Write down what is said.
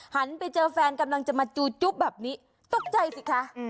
หันไปเจอแฟนกำลังจะมาจูจุ๊บแบบนี้ตกใจสิคะ